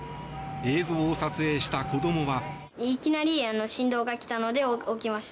映像を撮影した子どもは。